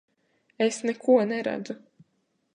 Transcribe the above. Es neko neredzu!